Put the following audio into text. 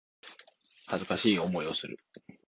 恥ずかしい思いをする